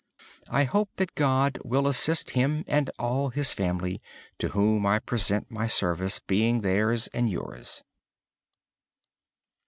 I hope that God will assist him and all the family, to whom I present my service, being theirs and yours.